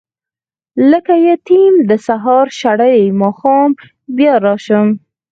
لکه یتیم سهار شړلی ماښام بیا راشم.